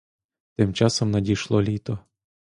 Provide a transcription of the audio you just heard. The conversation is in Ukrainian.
Тим часом надійшло літо.